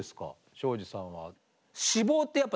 庄司さんは。